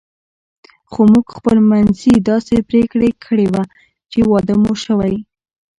خو موږ خپل منځي داسې پرېکړه کړې وه چې واده مو شوی.